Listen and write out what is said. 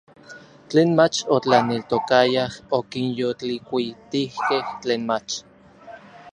Tlen mach otlaneltokayaj okinyoltlikuitijkej tlen mach.